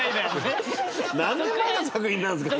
何年前の作品なんすか。